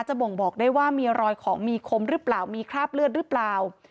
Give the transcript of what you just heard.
จ้ะบ่งบอกได้ว่ามีรอยของมีคมมีคราบเลือดล่ะ